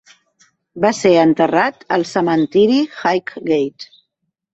Va ser enterrat al cementiri Highgate.